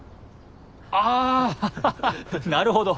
あぁなるほど。